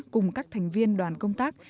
cùng các thành viên đoàn công tác